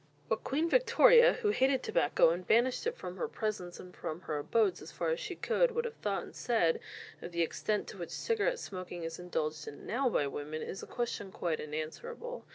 What Queen Victoria, who hated tobacco and banished it from her presence and from her abodes as far as she could, would have thought and said of the extent to which cigarette smoking is indulged in now by women, is a question quite unanswerable.